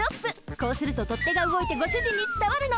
こうするととってがうごいてごしゅじんにつたわるの！